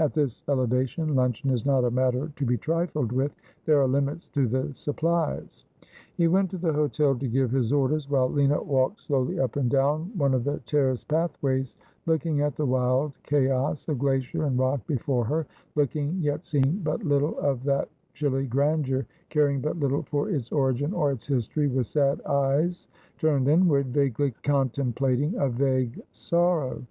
At this eleva tion luncheon is not a matter to be trifled with. There are limits to the supplies.' He went into the hotel to give his orders, while Lina walked slowly up and down one of the terraced pathways, looking at the wild chaos of glacier and rock before her, looking, yet seeing but little of that chilly grandeur, caring but little for its origin or its history, with sad eyes turned inward, vaguely contemplating a vague sorrow.